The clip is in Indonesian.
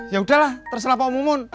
yaudah lah terserah pak umumun